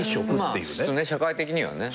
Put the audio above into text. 社会的にはね。